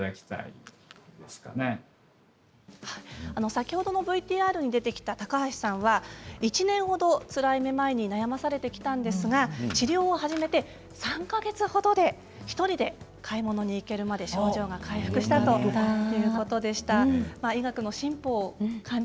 先ほどのＶＴＲに出てきた高橋さんは１年程つらいめまいに悩まされてきましたが治療を始めて３か月程で１人で買い物に行けるまで症状が回復したということでした。